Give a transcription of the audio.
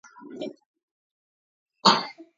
სწორედ ამ მიზნით გააგზავნა მან ელჩობა საფრანგეთში.